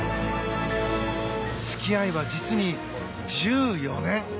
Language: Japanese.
付き合いは、実に１４年。